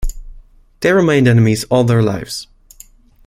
They remained enemies all their lives.